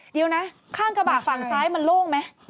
เดี๋ยวนะข้างกระบะฝั่งซ้ายมันโล่งไหม